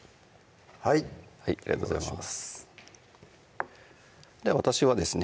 はいありがとうございます私はですね